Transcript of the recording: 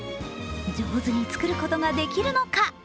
上手に作ることができるのか？